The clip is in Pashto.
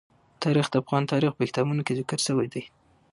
تاریخ د افغان تاریخ په کتابونو کې ذکر شوی دي.